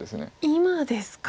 今ですか。